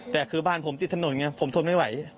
แต่คือบ้านผมติดถนนไงผมทนไม่ไหว